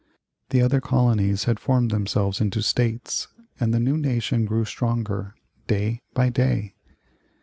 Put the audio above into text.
The other colonies had formed themselves into States, and the new nation grew stronger day by day.